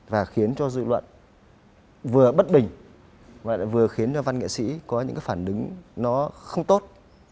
và khiến cho dư luận vừa bất bình vừa khiến cho văn nghệ sĩ có những cái phản ứng nó không tốt